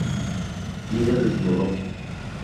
Liga de Eslovaquia.